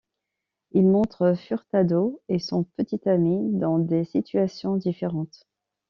Il montre Furtado et son petit ami dans des situations différentes.